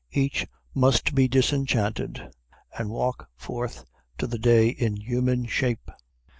Each must be disenchanted, and walk forth to the day in human shape.